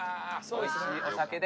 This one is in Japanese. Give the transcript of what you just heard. おいしいお酒で。